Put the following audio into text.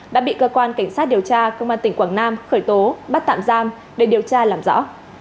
đã bị cơ quan cảnh sát điều tra công an tỉnh quảng nam khởi tố bắt tạm giam để điều tra làm rõ